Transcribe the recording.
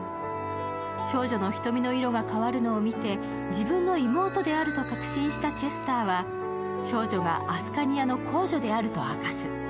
少女の瞳の色が変わるのを見て自分の妹であると確信したチェスターは少女がアスカニアの皇女であると明かす。